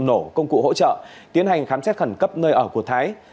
nổ công cụ hỗ trợ tiến hành khám xét khẩn cấp nơi ở của thái